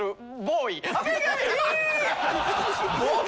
ボーイ？